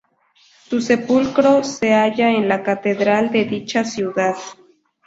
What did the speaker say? Su sepulcro se halla en la catedral de dicha ciudad.